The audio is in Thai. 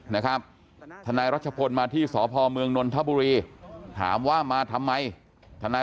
นะครับทนายรัชพลมาที่สพเมืองนนทบุรีถามว่ามาทำไมทนาย